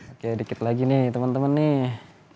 oke dikit lagi nih temen temen nih